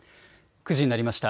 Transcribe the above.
９時になりました。